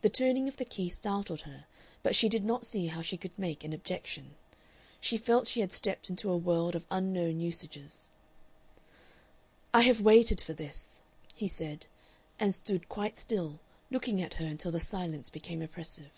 The turning of the key startled her, but she did not see how she could make an objection. She felt she had stepped into a world of unknown usages. "I have waited for this," he said, and stood quite still, looking at her until the silence became oppressive.